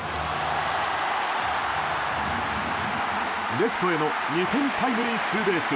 レフトへの２点タイムリーツーベース。